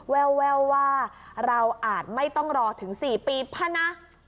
แววว่าเราอาจไม่ต้องรอถึง๔ปีพะนะ